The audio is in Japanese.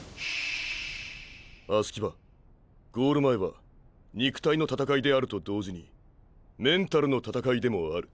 葦木場ゴール前は肉体の闘いであると同時にメンタルの闘いでもある。